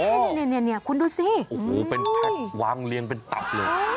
โอ้โหคุณดูสิเป็นแพ็กวางเลี้ยงเป็นตับเลย